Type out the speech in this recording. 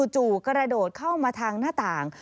จู่กระโดดเข้ามาทางหน้าต่าง